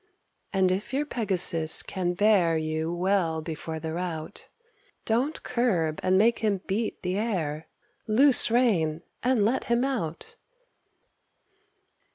And if your Pegasus can bear You well before the rout, Don't curb and make him beat the air; Loose rein, and let him out.